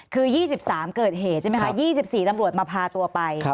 คือ๒๓เกิดเหตุใช่ไหมคะ๒๔ตำรวจมาพาตัวไป